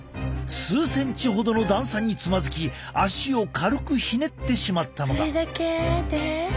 数センチほどの段差につまずき足を軽くひねってしまったのだ。